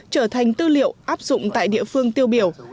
trở thành tư liệu áp dụng tại địa phương tiêu biểu